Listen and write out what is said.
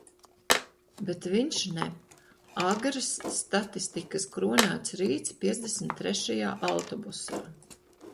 Bet viņš ne. Agrs, statistikas kronēts rīts piecdesmit trešajā autobusā.